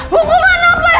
lalu dia mau bertanggung jawab